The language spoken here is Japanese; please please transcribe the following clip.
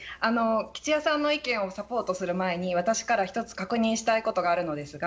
吉弥さんの意見をサポートする前に私から一つ確認したいことがあるのですが。